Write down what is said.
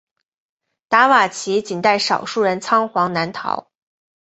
达瓦齐仅带少数人仓皇南逃。